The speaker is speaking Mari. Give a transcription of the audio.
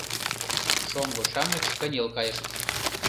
Шоҥго-шамыч кынел кайышт.